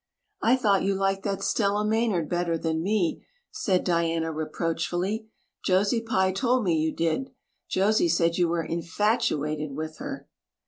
"I thought you liked that Stella Maynard better than me," said Diana reproachfully. "Josie Pye told me you did. Josie said you were infatuated with her."